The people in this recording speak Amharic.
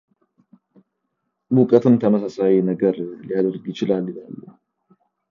ሙቀትም ተመሳሳይ ነገር ሊያደርግ ይችላል ይላሉ።